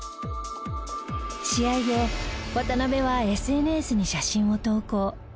試合後渡邊はＳＮＳに写真を投稿。